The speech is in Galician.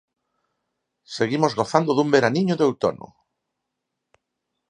Seguimos gozando dun veraniño de outono.